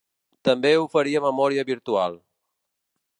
També oferia memòria virtual.